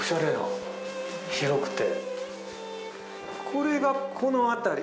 これが、この辺り。